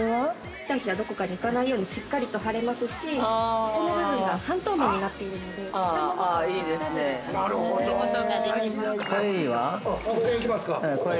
◆ひらひらどこかに行かないようにしっかりと貼れますし、この部分が半透明になっているので、下の文字を隠さずに読むことができます。